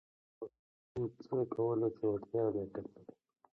هغه څه وکړه د کوم څه کولو چې وړتېا او لياقت لرٸ.